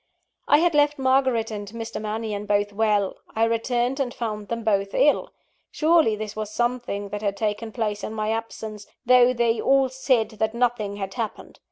I had left Margaret and Mr. Mannion both well I returned, and found them both ill. Surely this was something that had taken place in my absence, though they all said that nothing had happened.